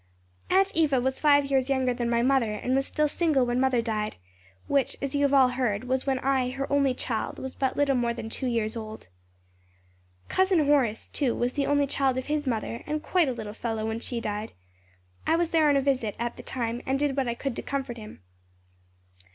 "Aunt Eva was five years younger than my mother and was still single when mother died; which, as you have all heard, was when I, her only child, was but little more than two years old. "Cousin Horace, too, was the only child of his mother, and quite a little fellow when she died. I was there, on a visit, at the time and did what I could to comfort him.